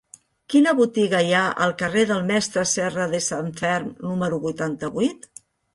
Quina botiga hi ha al carrer del Mestre Serradesanferm número vuitanta-vuit?